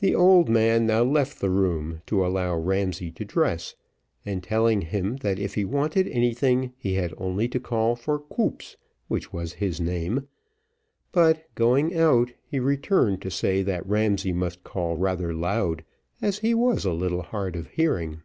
The old man now left the room to allow Ramsay to dress, and telling him that if he wanted anything, he had only to call for Koops, which was his name, but going out, he returned to say, that Ramsay must call rather loud, as he was a little hard of hearing.